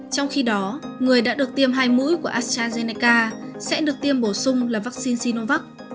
trong khi đó người đã được tiêm hai mũi của astrazeneca sẽ được tiêm bổ sung là vaccine sinovac